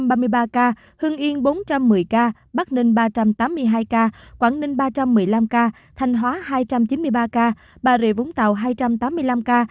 ba mươi ba ca hưng yên bốn trăm một mươi ca bắc ninh ba trăm tám mươi hai ca quảng ninh ba trăm một mươi năm ca thanh hóa hai trăm chín mươi ba ca bà rịa vũng tàu hai trăm tám mươi năm ca